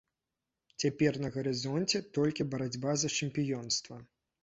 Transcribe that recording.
Цяпер на гарызонце толькі барацьба за чэмпіёнства.